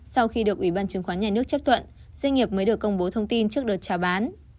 sau khi được ủy ban chứng khoán nhà nước chấp thuận doanh nghiệp mới được công bố thông tin trước đợt trào bán